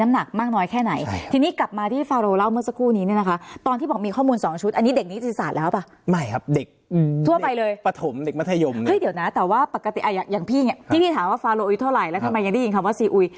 อย่างพี่เนี่ยที่พี่ถามว่าฟาร์โหลอยู่เท่าไหร่แล้วทำไมยังได้ยินคำว่าซีอุย